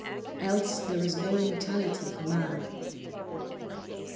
Else there is no immortality for man.